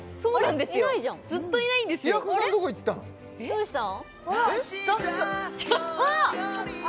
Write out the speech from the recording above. どうしたの？